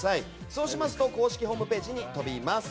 そうしますと公式ホームページに飛びます。